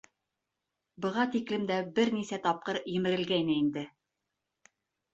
Быға тиклем дә бер нисә тапҡыр емерелгәйне инде.